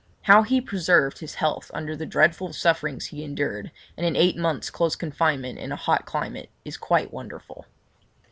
How he preserved his health under the dreadful sufferings he endured, and in eight months' close confinement in a hot climate, is quite wonderful.